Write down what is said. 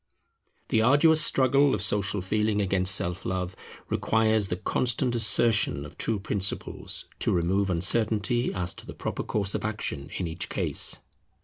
The arduous struggle of Social Feeling against Self love requires the constant assertion of true principles to remove uncertainty as to the proper course of action in each case.